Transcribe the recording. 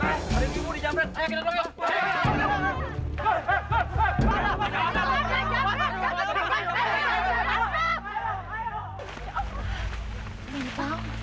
hai adikmu dijamret